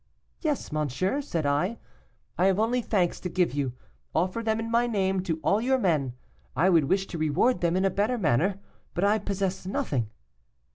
'Yes, monsieur,' said I, 'I have only thanks to give you. Offer them in my name to all your men; I would wish to reward them in a better manner, but I possess nothing.